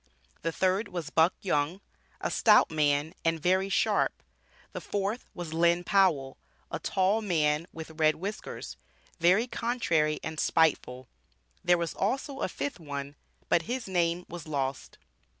The third was "Buck Young, a stout man, and very sharp." The fourth was "Lynn Powell, a tall man with red whiskers, very contrary and spiteful." There was also a fifth one, but his name was lost.